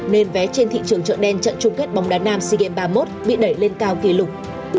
nên vé trên thị trường chợ đen trận chung kết bóng đá nam sea games ba mươi một bị đẩy lên cao kỷ lục